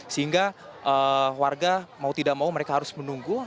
sehingga warga mau tidak mau mereka harus menunggu